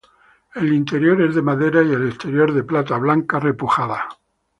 El interior es de madera y el exterior de plata blanca repujada.